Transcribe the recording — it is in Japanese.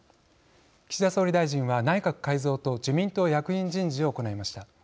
岸田総理大臣は内閣改造と自民党役員人事を行いました。